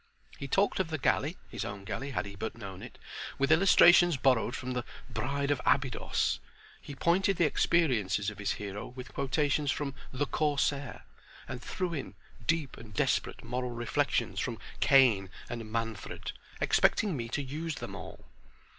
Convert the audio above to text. He talked of the galley—his own galley had he but known it—with illustrations borrowed from the "Bride of Abydos." He pointed the experiences of his hero with quotations from "The Corsair," and threw in deep and desperate moral reflections from "Cain" and "Manfred," expecting me to use them all.